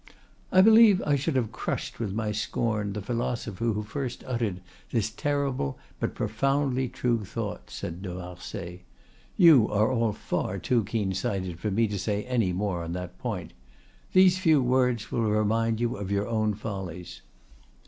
"I believe I should have crushed with my scorn the philosopher who first uttered this terrible but profoundly true thought," said de Marsay. "You are all far too keen sighted for me to say any more on that point. These few words will remind you of your own follies.